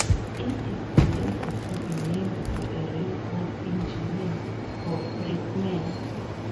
It is believed to be named for a railroad engineer or brakeman.